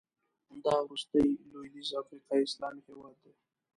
دا وروستی لوېدیځ افریقایي اسلامي هېواد دی.